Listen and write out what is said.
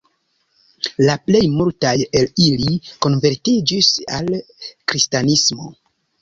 La plej multaj el ili konvertiĝis al kristanismo.